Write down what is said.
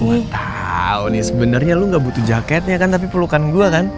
gue tau nih sebenernya lo gak butuh jaketnya kan tapi perlukan gue kan